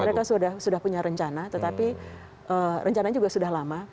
mereka sudah punya rencana tetapi rencananya juga sudah lama